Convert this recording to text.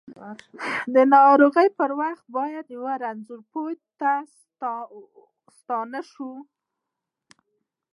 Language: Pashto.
د ناروغۍ پر وخت باید یؤ رنځ پوه ته ستانه شوو!